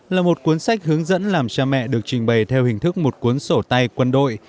là một cuốn sách hướng dẫn làm cha mẹ được trình bày theo hình thức một cuốn sổ tay quân đội